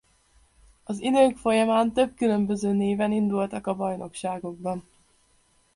Az idők folyamán több különböző néven indultak a bajnokságokban.